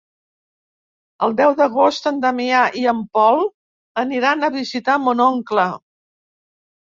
El deu d'agost en Damià i en Pol aniran a visitar mon oncle.